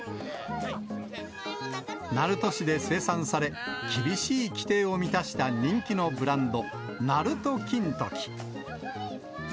鳴門市で生産され、厳しい規定を満たした人気のブランド、なると金時。